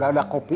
gak ada kopi